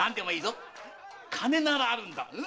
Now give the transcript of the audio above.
金ならあるんだ。